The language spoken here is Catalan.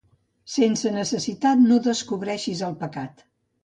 Sense necessitat, no descobreixis el pecat.